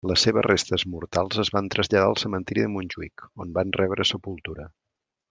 Les seves restes mortals es van traslladar al cementiri de Montjuïc, on van rebre sepultura.